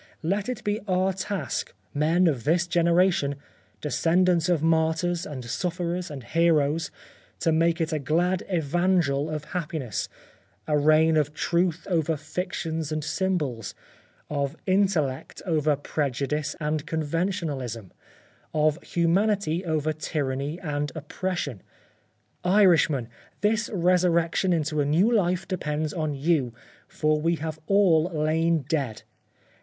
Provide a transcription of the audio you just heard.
Let it be our task, men of this generation — descendants of martyrs, and sufferers, and heroes, to make it a glad evangel of happiness — a reign of truth over fictions and symbols — of intellect over pre judice and conventionalism — of humanity over tyranny and oppression. Irishmen ! this re surrection into a new life depends on you ; for we have all lain dead.